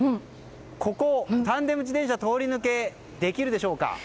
ここはタンデム自転車は通り抜けできるでしょうか？